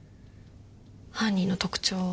犯人の特徴を。